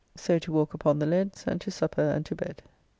So to walk upon the leads, and to supper, and to bed.